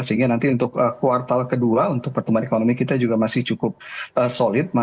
sehingga nanti untuk kuartal kedua untuk pertumbuhan ekonomi kita juga masih cukup solid